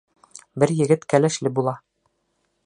Бер егет кәләшле була.